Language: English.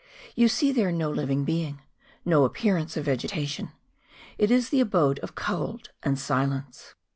You see there no living being, no appearance of vegetation ; it is the abode of cold and silence.